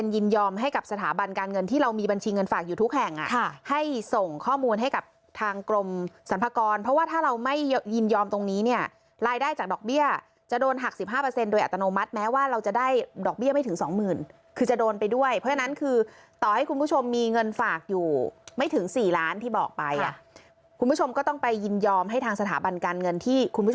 ยินยอมให้กับสถาบันการเงินที่เรามีบัญชีเงินฝากอยู่ทุกแห่งอ่ะค่ะให้ส่งข้อมูลให้กับทางกรมสรรพากรเพราะว่าถ้าเราไม่ยินยอมตรงนี้เนี้ยรายได้จากดอกเบี้ยจะโดนหักสิบห้าเปอร์เซ็นต์โดยอัตโนมัติแม้ว่าเราจะได้ดอกเบี้ยไม่ถึงสองหมื่นคือจะโดนไปด้วยเพราะฉะนั้นคือต่อให้คุณผู้ชมมีเ